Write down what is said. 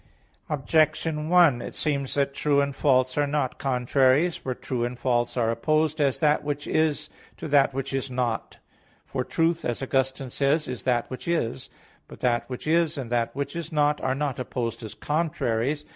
Objection 1: It seems that true and false are not contraries. For true and false are opposed, as that which is to that which is not; for "truth," as Augustine says (Soliloq. ii, 5), "is that which is." But that which is and that which is not are not opposed as contraries.